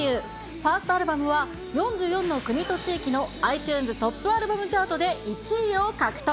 ファーストアルバムは４４の国と地域のｉＴｕｎｅｓトップアルバムチャートで１位を獲得。